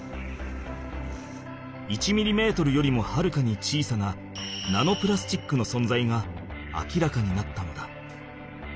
１ミリメートルよりもはるかに小さなナノプラスチックのそんざいが明らかになったのだ。